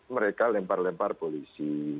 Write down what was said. mereka lempar lempar polisi